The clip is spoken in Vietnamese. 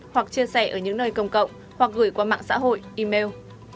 hoặc chia sẻ ở những nơi công cộng hoặc gửi qua mạng xã hội email